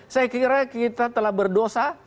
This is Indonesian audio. saya kira kita telah berdosa